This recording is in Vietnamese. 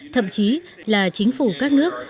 thậm chí là chính phủ các nước